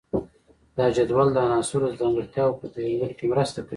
دا جدول د عناصرو د ځانګړتیاوو په پیژندلو کې مرسته کوي.